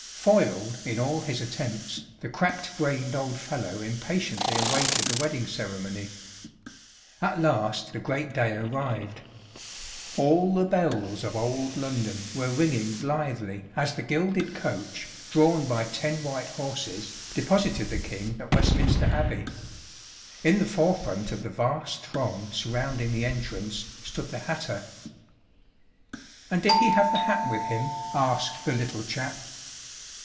Foiled in all his attempts, the cracked brained old fellow impatiently awaited the wedding ceremony. At last the great day arrived. All the bells of old London were ringing blithely as the gilded coach, drawn by ten white horses, deposited the King at Westminster Abbey. In the forefront of the vast throng surrounding the entrance stood the hatter." "And did he have the hat with him?" asked the Little Chap.